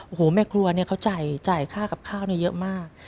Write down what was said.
โอ้โหแม่ครัวเนี่ยเขาจ่ายค่ากับข้าวเยอะมาก